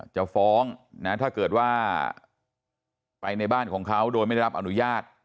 จะฟ้องถ้าเกิดว่าไปในบ้านของเขาโดยไม่ได้รับอนุญาต